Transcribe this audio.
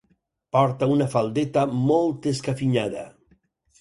Porta una faldeta molt escafinyada.